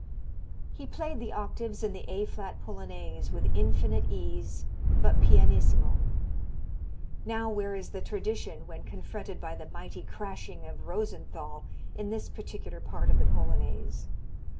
He played the octaves in the A flat Polonaise with infinite ease but pianissimo. Now where is the "tradition" when confronted by the mighty crashing of Rosenthal in this particular part of the Polonaise?